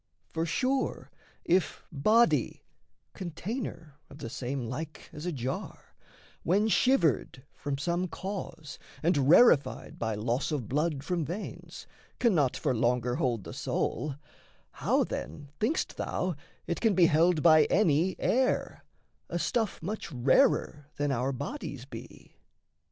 For, sure, if body (container of the same Like as a jar), when shivered from some cause, And rarefied by loss of blood from veins, Cannot for longer hold the soul, how then Thinkst thou it can be held by any air A stuff much rarer than our bodies be?